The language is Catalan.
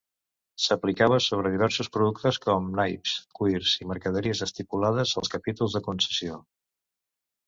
S'aplicava sobre diversos productes com naips, cuirs i mercaderies estipulades als capítols de concessió.